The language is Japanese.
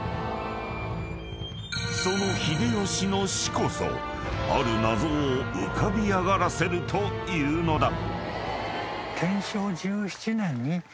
［その秀吉の死こそある謎を浮かび上がらせるというのだ］